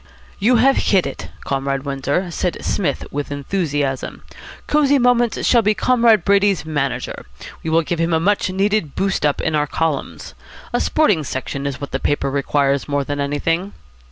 "You have hit it, Comrade Windsor," said Psmith with enthusiasm. "Cosy Moments shall be Comrade Brady's manager. We will give him a much needed boost up in our columns. A sporting section is what the paper requires more than anything."